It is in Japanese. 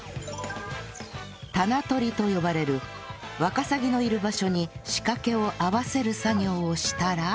タナ取りと呼ばれるワカサギのいる場所に仕掛けを合わせる作業をしたら